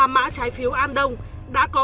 ba mã trái phiếu an đông đã có